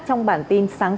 trong bản tin sáng